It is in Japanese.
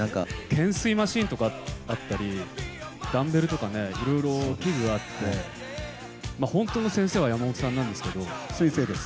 懸垂マシンとかあったり、ダンベルとかいろいろ器具があって、本当の先生はやまもとさんな先生です。